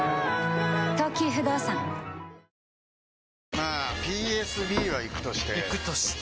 まあＰＳＢはイクとしてイクとして？